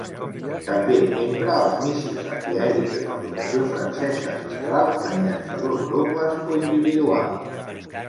També empra els míssils antiaeris de fabricació francesa Mistral en llançadors dobles o individuals.